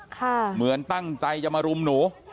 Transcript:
เหมือนตั้งใจจะมารุมหนู